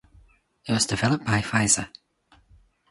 It was developed by Pfizer.